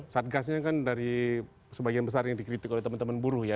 satgasnya kan dari sebagian besar yang dikritik oleh teman teman buruh ya